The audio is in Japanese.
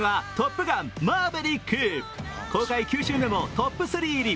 公開９週目もトップ３入り。